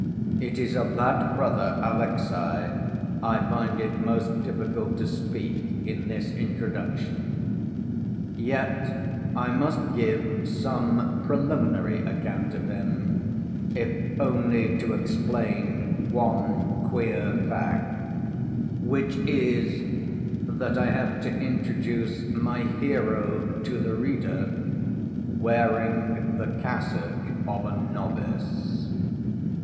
It is of that brother Alexey I find it most difficult to speak in this introduction. Yet I must give some preliminary account of him, if only to explain one queer fact, which is that I have to introduce my hero to the reader wearing the cassock of a novice.